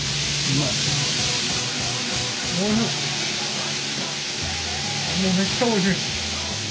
もうめっちゃおいしい。